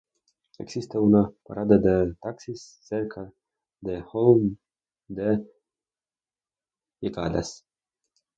Existe una parada de taxis cerca del hall de llegadas.